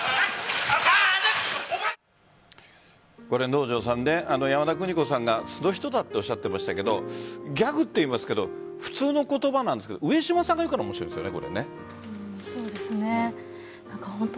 能條さん、山田邦子さんが素の人だとおっしゃっていましたがギャグと言いますけど普通の言葉なんですが上島さんが言うからそうですね。